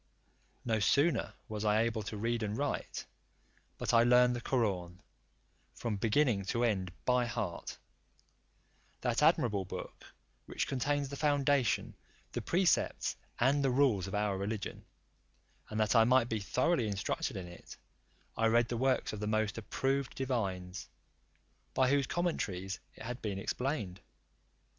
No sooner was I able to read and write, but I learned the Koraun from beginning to end by heart, that admirable book, which contains the foundation, the precepts, and the rules of our religion; and that I might be thoroughly instructed in it, I read the works of the most approved divines, by whose commentaries it had been explained.